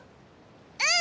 うん！